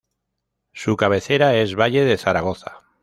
Su cabecera es Valle de Zaragoza.